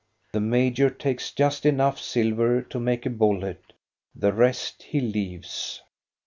The major takes just enough silver to make a bullet ; the rest he leaves.